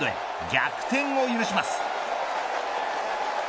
逆転を許します。